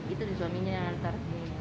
itu suaminya yang antar